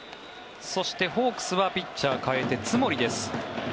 そして、ホークスはピッチャー代えて、津森です。